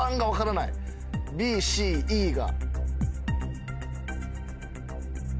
ＢＣＥが。